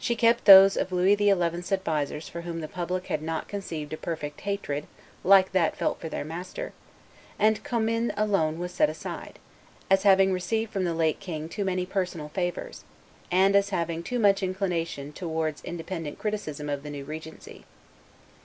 She kept those of Louis XI.'s advisers for whom the public had not conceived a perfect hatred like that felt for their master; and Commynes alone was set aside, as having received from the late king too many personal favors, and as having too much inclination towards independent criticism of the new regency.